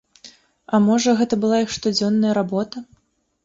А можа, гэта была іх штодзённая работа?